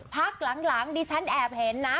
พักหลังดิฉันแอบเห็นนะ